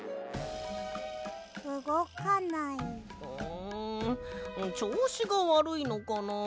んちょうしがわるいのかなあ？